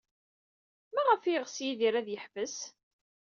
Maɣef ay yeɣs Yidir ad yeḥbes?